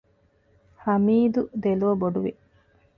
ހަމީދު ދެލޯބޮޑުވި